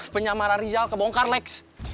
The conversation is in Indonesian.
penyamaran rizal kebongkar lex